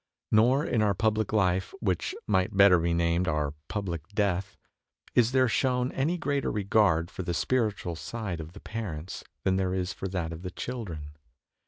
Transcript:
Nor in our public life, which might better be named our public death, is there shown any greater regard for the spiritual side of the parents than there is for that of the children.